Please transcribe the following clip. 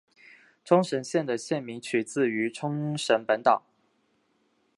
冲绳县的县名取自于冲绳本岛。